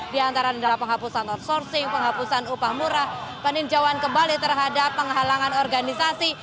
di antara adalah penghapusan outsourcing penghapusan upah murah peninjauan kembali terhadap penghalangan organisasi